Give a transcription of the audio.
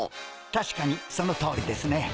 確かにそのとおりですね。